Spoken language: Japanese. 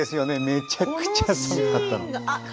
めちゃくちゃ寒かったの。